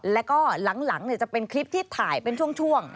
แล้วก็หลังจะเป็นคลิปที่ถ่ายเป็นช่วง